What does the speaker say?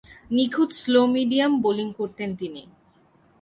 নিখুঁত slow medium bowling করতেন তিনি।